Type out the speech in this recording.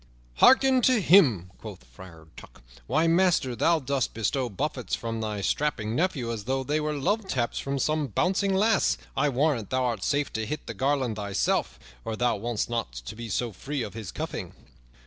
"Hearken to him!" quoth Friar Tuck. "Why, master, thou dost bestow buffets from thy strapping nephew as though they were love taps from some bouncing lass. I warrant thou art safe to hit the garland thyself, or thou wouldst not be so free of his cuffing."